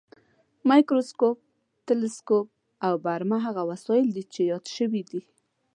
مایکروسکوپ، تلسکوپ او برمه هغه وسایل دي چې یاد شوي دي.